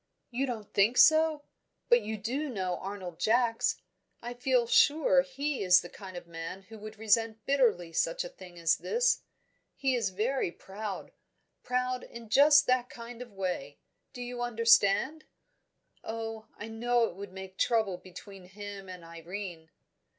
"You don't think so? But do you know Arnold Jacks? I feel sure he is the kind of man who would resent bitterly such a thing as this. He is very proud proud in just that kind of way do you understand? Oh, I know it would make trouble between him and Irene."